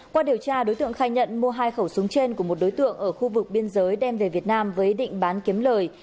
qua điều tra đối tượng khai nhận mua hai khẩu súng trên của một đối tượng ở khu vực biên giới đem về việt nam với ý định bán kiếm lời